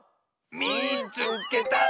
「みいつけた！」。